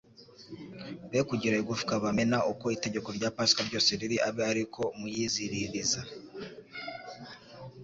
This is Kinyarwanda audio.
be kugira igufwa bamena, uko itegeko rya Pasika ryose riri abe ari ko muyiziririza.